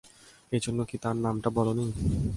এজন্য কি তার নামটা বলনি?